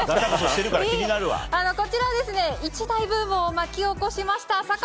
こちら一大ブームを巻き起こしました